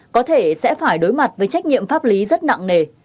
có thể sẽ phải đối mặt với trách nhiệm pháp lý rất nặng nề